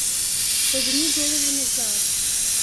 Поверни голову назад!